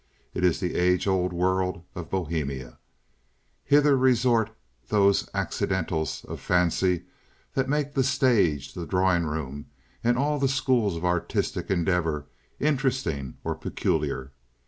It is the age old world of Bohemia. Hither resort those "accidentals" of fancy that make the stage, the drawing room, and all the schools of artistic endeavor interesting or peculiar.